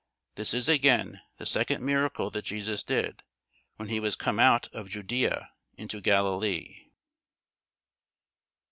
This is again the second miracle that Jesus did, when he was come out of Judæa into Galilee.